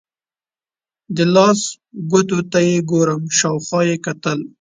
د لاس ګوتو ته یې ګورم، شاوخوا یې وکتل.